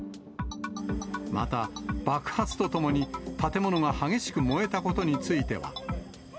また、爆発とともに、建物が激しく燃えたことについては。